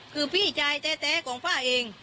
คือพี่ชายแท้ของป้าเอง